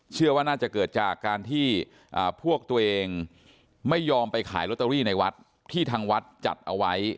เชื่อว่าน่าจะเกิดจากการที่พวกตัวเองไม่ยอมไปขายลอตเตอรี่ในวัดที่ทางวัดจัดเอาไว้